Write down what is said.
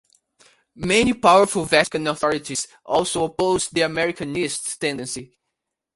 Many powerful Vatican authorities also opposed the "Americanist" tendency.